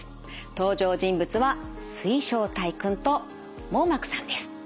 登場人物は水晶体くんと網膜さんです。